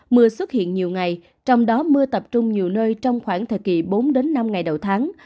mưa xuất hiện nhiều ngày trong đó mưa tập trung nhiều nơi trong khoảng thời kỳ bốn năm ngày đầu tháng